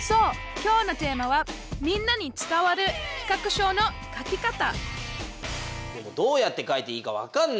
きょうのテーマはみんなに伝わる「企画書の書き方」でもどうやって書いていいかわかんないよ。